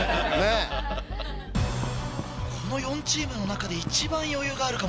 この４チームの中で一番余裕があるかもしれない。